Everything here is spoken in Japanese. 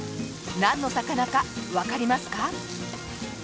なんの魚かわかりますか？